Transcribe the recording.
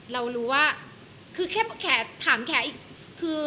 เรารู้ว่าคือแข่ถามแข่อีก